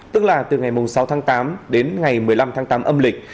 tức là từ ngày sáu tháng tám đến ngày một mươi năm tháng tám âm lịch